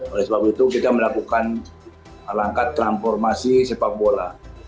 oleh sebab itu kita melakukan langkah transformasi sepak bola